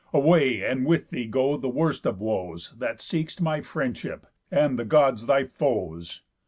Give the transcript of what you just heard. Away, and with thee go the worst of woes, That seek'st my friendship, and the Gods thy foes.